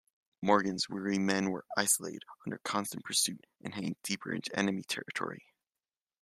Morgan's weary men were isolated, under constant pursuit, and heading deeper into enemy territory.